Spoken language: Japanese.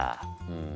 うん。